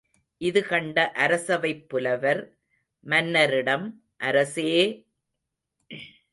இது கண்ட அரசவைப் புலவர், மன்னரிடம், அரசே!